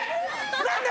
何だ？